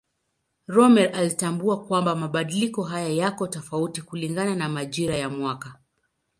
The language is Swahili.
Rømer alitambua kwamba mabadiliko haya yako tofauti kulingana na majira ya mwaka.